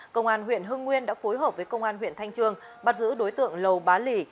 công an huyện hưng nguyên đã phối hợp với công an huyện thanh trương bắt giữ đối tượng lầu bá lì